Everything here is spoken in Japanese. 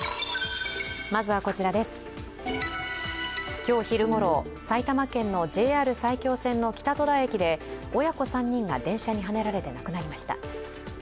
今日昼ごろ、埼玉県のＪＲ埼京線の北戸田駅で親子３人が電車にはねられて亡くなりました。